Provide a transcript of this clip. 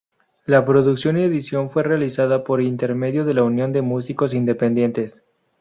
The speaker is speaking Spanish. La producción y edición fue realizada por intermedio de la Unión de Músicos Independientes.